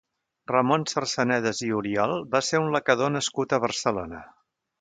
Ramon Sarsanedas i Oriol va ser un lacador nascut a Barcelona.